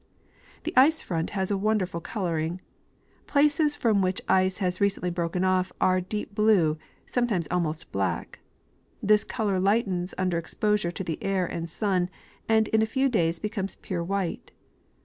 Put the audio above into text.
The ice front has a wonderful coloring. Places from which ice has recently broken off' are deep blue, sometimes almost Iflack. This color lightens under exposure to the air and sun, and in a few days becomes pure white.